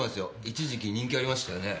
一時期人気ありましたよね。